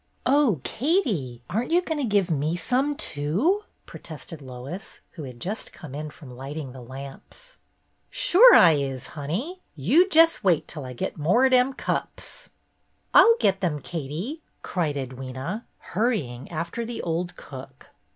"Oh, Katie, aren't you going to give me some too ?" protested Lois, who had just come in from lighting the lamps. MINTURNE'S STORMY ROW 221 "Sure I is, honey. You jess wait til I get some more ob dem cups.'' "I'll get them, Katie," cried Edwyna, hurry ing after the old cook.